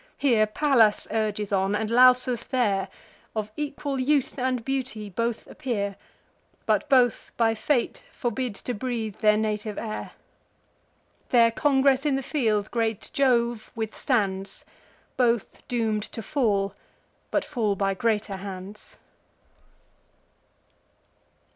Here Pallas urges on, and Lausus there: Of equal youth and beauty both appear, But both by fate forbid to breathe their native air. Their congress in the field great Jove withstands: Both doom'd to fall, but fall by greater hands.